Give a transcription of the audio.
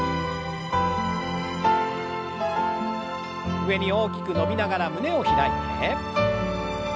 上に大きく伸びながら胸を開いて。